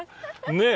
ねえ。